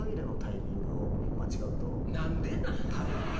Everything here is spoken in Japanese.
何でなん？